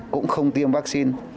cũng không tiêm vaccine